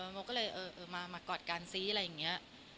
โมก็เลยเออมากอดกันซิอะไรอย่างนี้